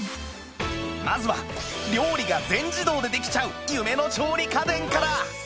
まずは料理が全自動でできちゃう夢の調理家電から！